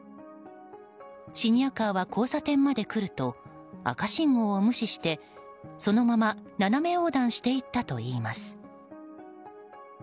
シニアカーは交差点まで来ると赤信号を無視してそのまま斜め横断していったといいます。